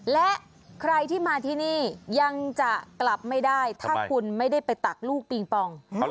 และใครที่มาที่นี่ยังจะกลับไม่ได้ถ้าคุณไม่ได้ไปตักลูกปิงปอง